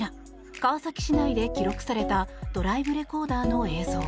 川崎市内で記録されたドライブレコーダーの映像。